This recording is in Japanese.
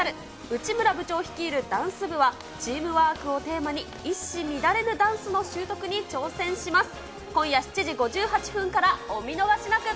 内村部長率いるダンス部は、チームワークをテーマに一糸乱れぬダンスの習得に挑戦します。